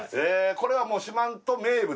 これは四万十名物？